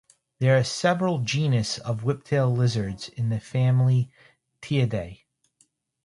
There are several genus of whiptail lizards in the family "Teiidae".